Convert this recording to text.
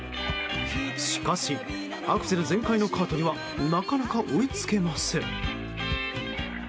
しかしアクセル全開のカートにはなかなか追いつけません。